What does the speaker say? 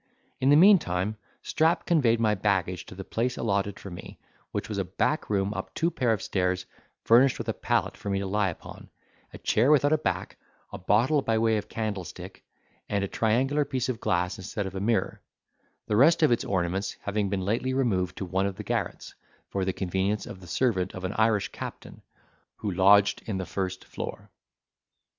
In the meantime, Strap conveyed my baggage to the place allotted for me, which was a back room up two pair of stairs, furnished with a pallet for me to lie upon, a chair without a back, a bottle by way of candlestick, and a triangular piece of glass instead of a mirror; the rest of its ornaments having been lately removed to one of the garrets, for the convenience of the servant of an Irish captain, who lodged in the first floor.